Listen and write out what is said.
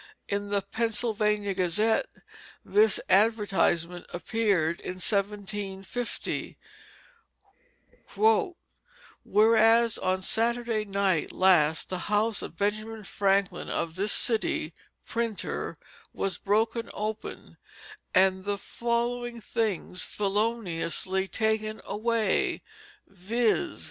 In the Pennsylvania Gazette this advertisement appeared in 1750: "Whereas on Saturday night last the house of Benjamin Franklin of this city, Printer, was broken open, and the following things feloniously taken away, viz.